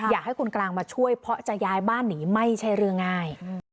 อยากให้คนกลางมาช่วยเพราะจะย้ายบ้านหนีไม่ใช่เรื่องง่าย